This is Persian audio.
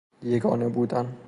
یگانه بودن